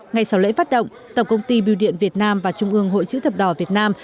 ngay sau lễ phát động tổng công ty biêu điện việt nam và trung ương hội chữ thập đỏ việt nam